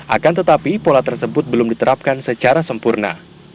akan tetapi pola tersebut belum diterapkan secara sempurna